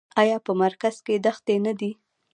آیا په مرکز کې دښتې نه دي؟